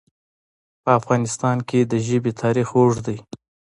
په افغانستان کې د ژبې تاریخ اوږد دی.